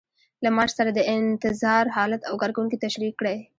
له معاش سره د انتظار حالت او کارکوونکي تشریح کړئ.